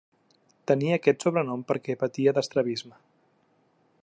Tenia aquest sobrenom perquè patia d'estrabisme.